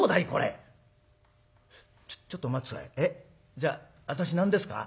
じゃあ私何ですか？